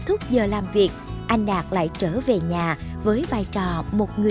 thì cảm giác nó bình an